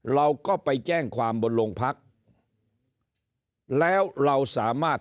เราก็ไปแจ้งความบนโรงพักแล้วเราสามารถ